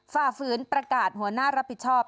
ฝ่าฝืนประกาศหัวหน้ารับผิดชอบ